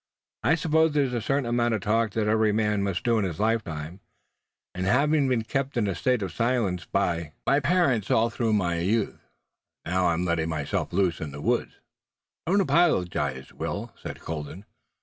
"I suppose there's a certain amount of talk that every man must do in his lifetime, and, having been kept in a state of silence by my parents all through my youth, I'm now letting myself loose in the woods." "Don't apologize, Will," said Colden.